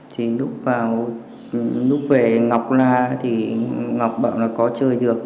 thì lúc về ngọc là ngọc bảo là có chơi được